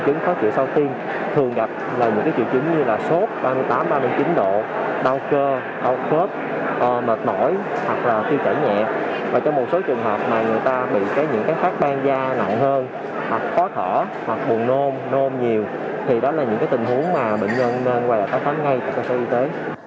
thì đó là những tình huống mà bệnh nhân nên quay lại phát ngay cho cơ sở y tế